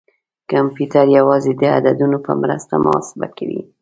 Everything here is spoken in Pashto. کمپیوټر یوازې د عددونو په مرسته محاسبه کوي.